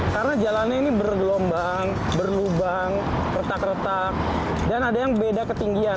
karena jalannya ini bergelombang berlubang kerta kerta dan ada yang beda ketinggian